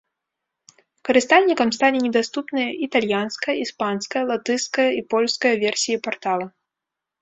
Карыстальнікам сталі недаступныя італьянская, іспанская, латышская і польская версіі партала.